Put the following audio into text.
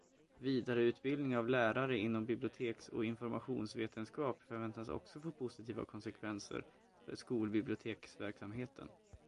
Vidareutbildning av lärare inom biblioteks- och informationsvetenskap förväntas också få positiva konsekvenser för skolbiblioteksverksamheten.